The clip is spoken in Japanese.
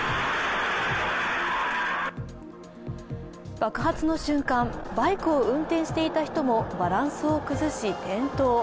爆発の瞬間、バイクを運転していた人もバランスを崩し転倒。